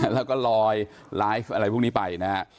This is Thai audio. แล้วก็ลอยไลฟ์อะไรพวกนี้ไปนะฮะ